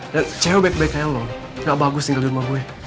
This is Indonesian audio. dan cewek baik baik kayak lo gak bagus tinggal di rumah gue